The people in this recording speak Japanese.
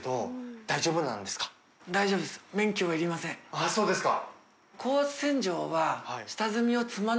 蕁あっそうですか。